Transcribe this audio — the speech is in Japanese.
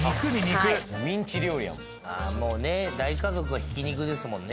ミンチ料理やもうね大家族はひき肉ですもんね